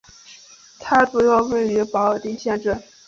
它主要位于保尔丁镇区。